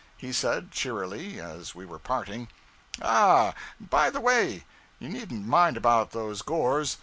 He said, cheerily, as we were parting 'Ah, by the way, you needn't mind about those gores.